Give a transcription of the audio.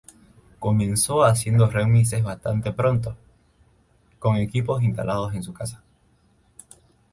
Comenzó haciendo remixes bastante pronto, con equipos instalados en su casa.